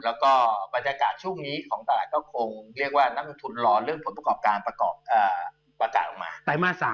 แล้วก็บรรยากาศช่วงนี้ของตลาดก็คงเรียกว่านักลงทุนรอเรื่องผลประกอบการประกอบประกาศออกมาไตรมาส๓